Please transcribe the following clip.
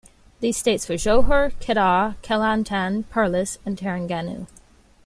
These states were Johor, Kedah, Kelantan, Perlis, and Terengganu.